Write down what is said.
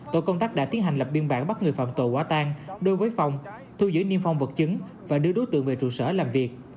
tổ công tác đã tiến hành lập biên bản bắt người phạm tội quả tang đối với phong thu giữ niêm phong vật chứng và đưa đối tượng về trụ sở làm việc